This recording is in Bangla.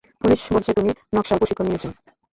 পুলিশ বলছে তুমি নকশাল প্রশিক্ষণ নিয়েছেন।